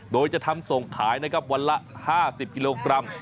โดยจะทำส่งขายนะครับวันละ๕๐กิโลกรัม